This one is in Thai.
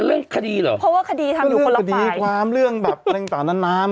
เรื่องคดีเหรอเพราะว่าคดีทำอยู่คนละฝ่ายความเรื่องแบบต่างต่างนั้นนาม